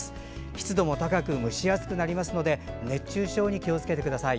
湿度も高く蒸し暑くなりますので熱中症に気を付けてください。